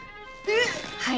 はい。